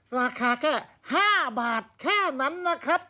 ราคาแค่๕บาทแค่นั้นนะครับ